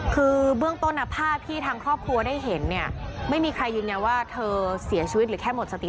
คือเบื้องต้นภาพที่ทางครอบครัวได้เห็นเนี่ยไม่มีใครยืนยันว่าเธอเสียชีวิตหรือแค่หมดสติ